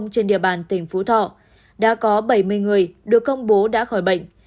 trên địa bàn tỉnh phú thọ đã có bảy mươi người được công bố đã khỏi bệnh